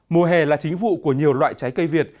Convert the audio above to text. mùa hè là chính vụ của nhiều loại trái cây việt